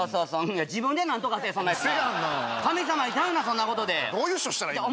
自分で何とかせえそんなやつな神様に頼むなそんなことでどういう人したらええのよ